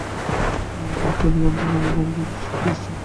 বীরচাঁদ গান্ধী বোম্বাই-এর ব্যারিষ্টার বীরচাঁদ গান্ধী।